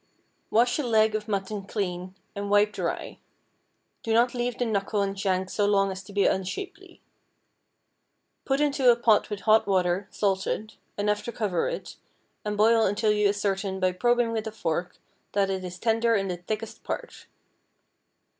Wash a leg of mutton clean, and wipe dry. Do not leave the knuckle and shank so long as to be unshapely. Put into a pot with hot water (salted) enough to cover it, and boil until you ascertain, by probing with a fork, that it is tender in the thickest part.